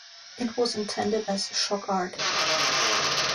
It was intended as "shock art".